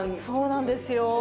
そうなんですよ。